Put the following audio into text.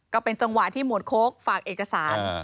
ก็เป็นจังหวะที่หมวดโค้กฝากเอกสาร